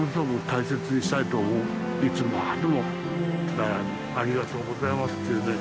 だから「ありがとうございます」っていうね